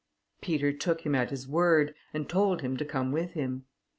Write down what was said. Peter took him at his word, and told him to come with him.